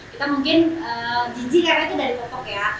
kita mungkin jinjingannya itu udah dipotong ya